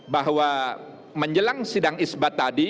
bahwa menjelang sidang isbat tadi